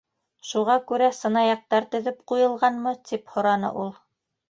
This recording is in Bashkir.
—Шуға күрә сынаяҡтар теҙеп ҡуйылғанмы? —тип һораны ул.